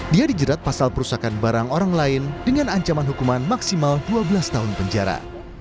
dia dijerat pasal perusakan barang orang lain dengan ancaman hukuman maksimal dua belas tahun penjara